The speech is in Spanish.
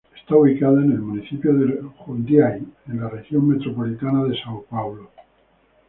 Está ubicada en el municipio de Jundiaí, en la Región Metropolitana de São Paulo.